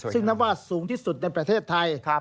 ซึ่งนับว่าสูงที่สุดในประเทศไทย